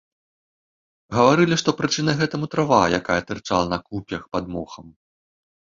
Гаварылі, што прычынай гэтаму трава, якая тырчала на куп'ях пад мохам.